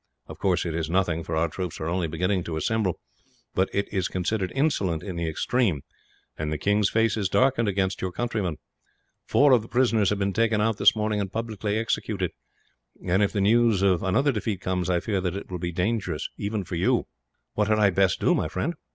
Of course it is nothing, for our troops are only beginning to assemble; but it is considered insolent in the extreme, and the king's face is darkened against your countrymen. Four of the prisoners have been taken out this morning and publicly executed and, if the news of another defeat comes, I fear that it will be very dangerous, even for you." "What had I best do, my friend?"